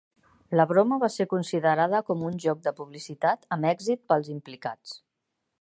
La broma va ser considerada com un joc de publicitat amb èxit pels implicats.